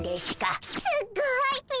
すっごい！